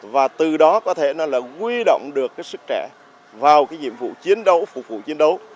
và từ đó có thể là quy động được cái sức trẻ vào cái nhiệm vụ chiến đấu phục vụ chiến đấu